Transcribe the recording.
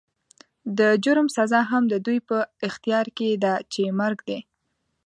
د جرم سزا هم د دوی په اختيار کې ده چې مرګ دی.